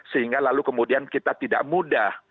sehingga lalu kemudian kita tidak mudah